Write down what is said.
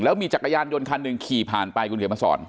มีจักรยานยนต์คันหนึ่งขี่ผ่านไปคุณเขียนมาสอน